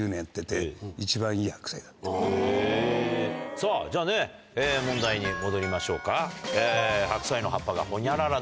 さぁじゃあね問題に戻りましょうか。